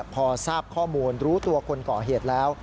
พอทราบข้อมูลรู้ตัวคนก่อเหตุแล้ว